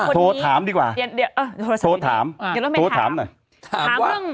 โทรถามดีกว่าเดี๋ยวเดี๋ยวอ่ะโทรถามเดี๋ยวเราไปถามหน่อยถามว่า